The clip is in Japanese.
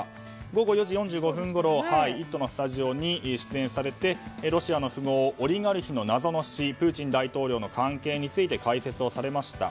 午後４時４５分ごろ「イット！」のスタジオに出演されて、ロシアの富豪オリガルヒの謎の死プーチン大統領の関係について解説をされました。